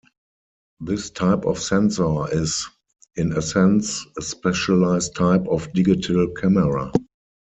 This type of sensor is, in essence, a specialized type of digital camera.